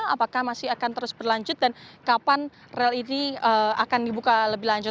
apakah masih akan terus berlanjut dan kapan rel ini akan dibuka lebih lanjut